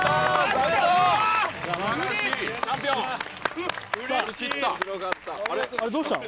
あれっどうしたの？